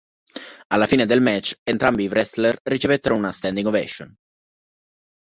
Alla fine del match entrambi i wrestler ricevettero una standing ovation.